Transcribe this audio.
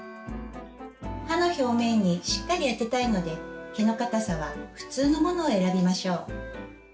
歯の表面にしっかり当てたいので毛の固さは「ふつう」のものを選びましょう。